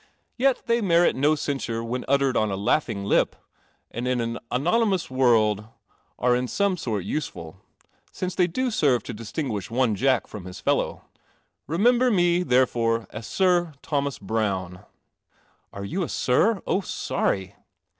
Yet they merit no censure when uttered on a laughing lip, and in an hom onymous world are in some sort useful, since they do serve to distinguish one Jack from his fellow. Remember me, therefore, as Sir Thomas Browne." "Are you a Sir? Oh, sorry!"